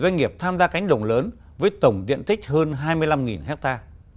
doanh nghiệp tham gia cánh đồng lớn với tổng điện tích hơn hai mươi năm ha